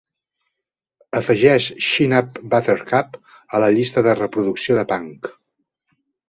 Afegeix Chin-Up Buttercup a la llista de reproducció de punk.